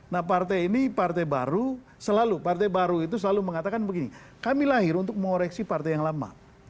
nah partai ini partai baru selalu mengatakan begini kami lahir untuk mengoreksi partai yang lama